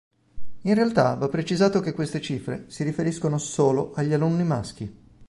In realtà va precisato che queste cifre si riferiscono solo agli alunni maschi.